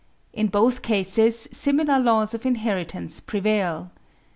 In both cases similar laws of inheritance prevail.